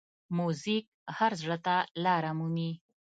موزیک هر زړه ته لاره مومي.